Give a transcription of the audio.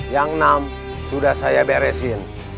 yang enam sudah saya beresin